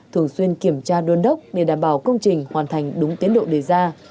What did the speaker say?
thường xuyên kiểm tra đôn đốc để đảm bảo công trình hoàn thành đúng tiến độ đề ra